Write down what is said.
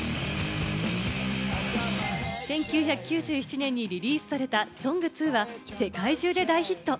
１９９７年にリリースされた『Ｓｏｎｇ２』は世界中で大ヒット。